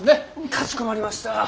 かしこまりました。